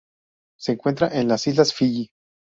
Se encuentra en las islas Fiyi.